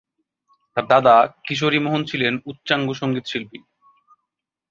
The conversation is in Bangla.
তার দাদা কিশোরী মোহন ছিলেন উচ্চাঙ্গ সঙ্গীত শিল্পী।